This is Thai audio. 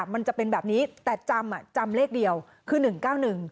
มันจะเป็นแบบนี้แต่จำเลขเดียวคือ๑๙๑